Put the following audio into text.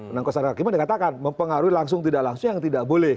yang dikatakan mempengaruhi langsung tidak langsung yang tidak boleh